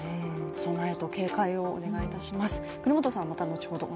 備えと警戒をお願いいたします。